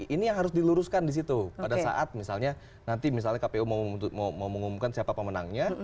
ini yang harus diluruskan di situ pada saat misalnya nanti misalnya kpu mau mengumumkan siapa pemenangnya